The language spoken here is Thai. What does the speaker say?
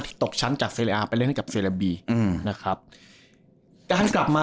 ที่ตกชั้นจากเซลล์อาร์ไปเล่นให้กับเซลล์บีนะครับกลับมา